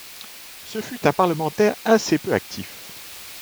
Ce fut un parlementaire assez peu actif.